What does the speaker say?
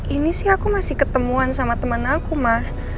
ini sih aku masih ketemuan sama temen aku ma